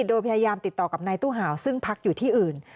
โดยพยายามติดต่อกับนายตู้หาวซึ่งพักอยู่ที่อื่น